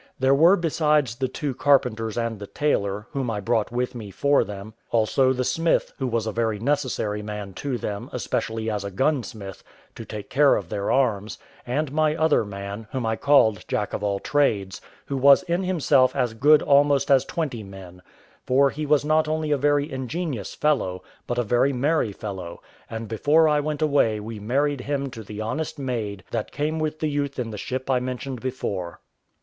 There were besides the two carpenters and the tailor, whom I brought with me for them: also the smith, who was a very necessary man to them, especially as a gunsmith, to take care of their arms; and my other man, whom I called Jack of all trades, who was in himself as good almost as twenty men; for he was not only a very ingenious fellow, but a very merry fellow, and before I went away we married him to the honest maid that came with the youth in the ship I mentioned before.